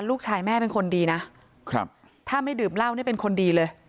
ลูกชายแม่เป็นคนดีนะครับถ้าไม่ดื่มเหล้านี่เป็นคนดีเลย